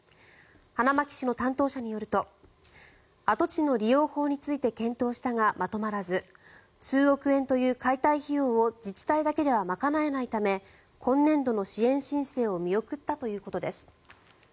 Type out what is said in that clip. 花巻市の担当者によると跡地の利用法について検討したがまとまらず数億円という解体費用を自治体だけでは賄えないため今年度の支援申請を見送ったということです。